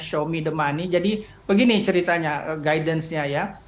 xiaomi the money jadi begini ceritanya guidance nya ya